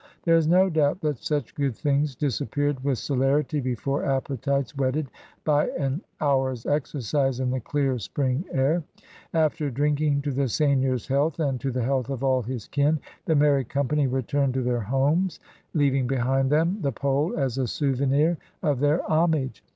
There is no doubt that such good things disappeared with celerity before appetites whetted by an hour's exercise in the dear spring air. After drinking to the seigneur's health and to the health of all his kin, the merry company returned to their homes, leaving behind them the pole as a souvenir of their homage.